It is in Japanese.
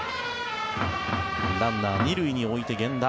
ランナー２塁に置いて源田。